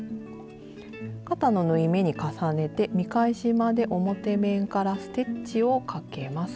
肩の縫い目に重ねて見返しまで表面からステッチをかけます。